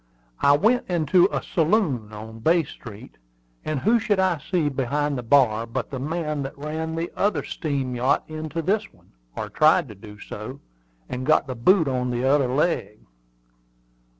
I went into a saloon on Bay Street, and who should I see behind the bar but the man that ran the other steam yacht into this one, or tried to do so, and got the boot on t'other leg."